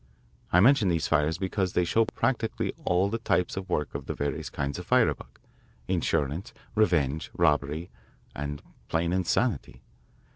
I mention these fires because they show practically all the types of work of the various kinds of firebug insurance, revenge, robbery, and plain insanity.